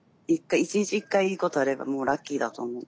一日一回いいことあればもうラッキーだと思う。